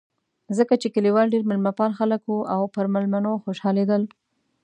ځکه چې کلیوال ډېر مېلمه پال خلک و او پر مېلمنو خوشحالېدل.